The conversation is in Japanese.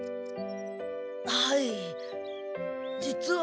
はい実は。